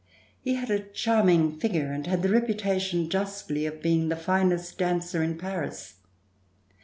He had a charming figure and had the reputation, justly, of being the finest dancer in Paris.